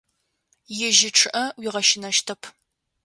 Ижьы чъыӏэ уигъэщынэщтэп.